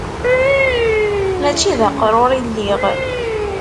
Mačči d aqrur i lliɣ.